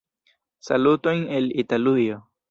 Salutojn el Italujo.